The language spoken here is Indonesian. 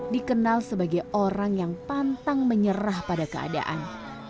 dikenal sebagai orang yang pantang menyerah pada keadaan